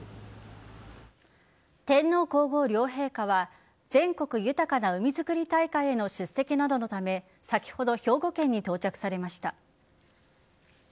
天皇皇后両陛下は全国豊かな海づくり大会への出席などのため先ほど、兵庫県に到着されました。